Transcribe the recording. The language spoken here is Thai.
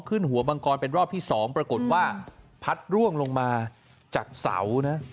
หัวมังกรเป็นรอบที่๒ปรากฏว่าพัดร่วงลงมาจากเสานะ